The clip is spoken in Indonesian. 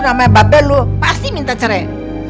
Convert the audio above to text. namanya babel lo pasti minta cerai